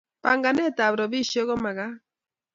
Panganet ab ropishek komakat